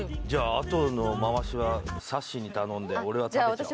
あとの回しはさっしーに頼んで俺は食べちゃおう